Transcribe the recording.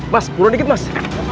mas turun dikit mas